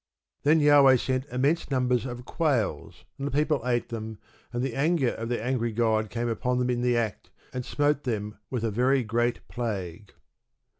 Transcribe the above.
Then Jahweh sent immense numbers of quails, and the people ate them, and the anger of their angry god came upon them in the act, and smote them with "a very great plague."